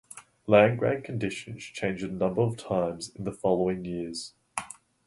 Land grant conditions changed a number of times in the following years.